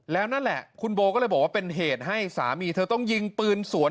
แล้วนั่นแหละคุณโบก็เลยบอกว่าเป็นเหตุให้สามีเธอต้องยิงปืนสวน